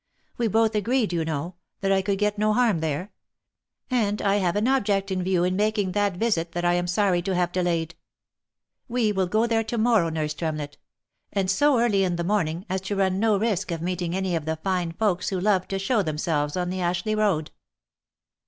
We both agreed, you know, that I could get no harm there ; and I have an object in view in making that visit that I am sorry to have delayed. We will go there to morrow, nurse Tremlett, — and so early in the morning, as to run no risk of meeting any of the fine folks who love to show themselves on the Ashleigh road."